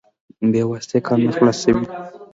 بې واسطې کار نه خلاصوي.